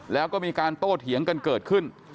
แล้วก็มีการโต้เถียงกันเกิดขึ้น